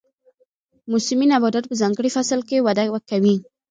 موسمي نباتات په ځانګړي فصل کې وده کوي